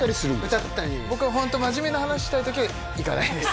歌ったり僕はホント真面目な話したい時は行かないです